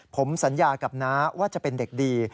ผมสัญญากับน้าว่าจะเป็นเด็กดี